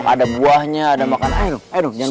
ada buahnya ada makanan